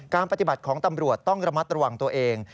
ปฏิบัติของตำรวจต้องระมัดระวังตัวเอง